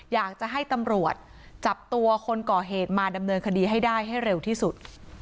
อยากจะให้ตำรวจจับตัวคนก่อเหตุมาดำเนินคดีให้ได้ให้เร็วที่สุด